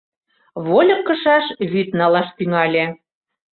Вольык кышаш вӱд налаш тӱҥале.